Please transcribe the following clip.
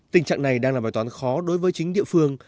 tình trạng này đang là bài toán khó đối với chính địa phương